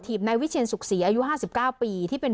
ถีบในวิทยาลีสุขศรีอายุห้าสิบเก้าปีที่เป็น